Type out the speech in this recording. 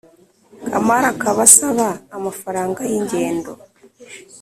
Kamali akaba asaba amafaranga y ingendo